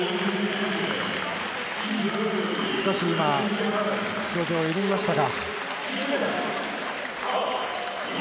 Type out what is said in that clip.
少し今、表情が緩みましたが。